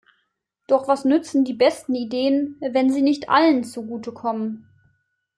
Doch was nützen die besten Ideen, wenn sie nicht allen zugute kommen?